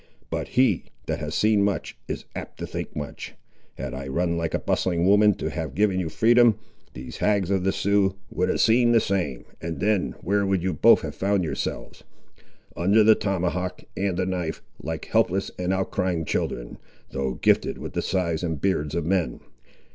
But he, that has seen much, is apt to think much. Had I run like a bustling woman to have given you freedom, these hags of the Siouxes would have seen the same, and then where would you both have found yourselves? Under the tomahawk and the knife, like helpless and outcrying children, though gifted with the size and beards of men.